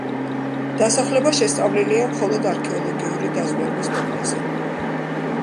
დასახლება შესწავლილია მხოლოდ არქეოლოგიური დაზვერვის დონეზე.